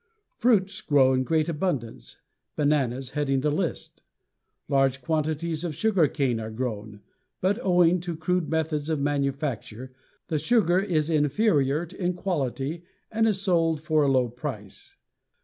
Fruits grow in great abundance, bananas heading the list. Large quantities of sugar cane are grown, but owing to crude methods of manufacture, the sugar is inferior in quality and is sold for a low price.